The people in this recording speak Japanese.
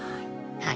はい。